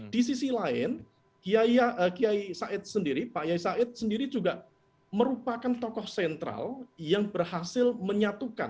di sisi lain kiai said sendiri pak yai said sendiri juga merupakan tokoh sentral yang berhasil menyatukan